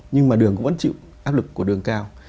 nhưng mà đường cũng vẫn chịu áp lực của đường cao